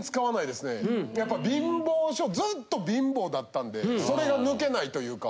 やっぱ貧乏性ずっと貧乏だったんでそれが抜けないというか。